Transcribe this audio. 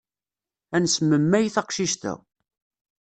Ad nesmemmay taqcict-a.